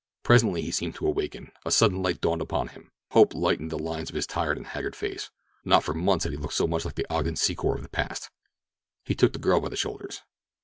Presently he seemed to awaken; a sudden light dawned upon him. Hope lightened the lines of his tired and haggard face. Not for months had he looked so much like the Ogden Secor of the past. He took the girl by the shoulders.